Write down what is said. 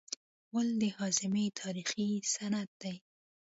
غول د هاضمې تاریخي سند دی.